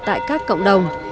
tại các cộng đồng